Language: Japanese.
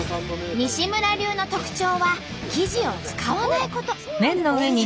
西村流の特徴は生地を使わないこと。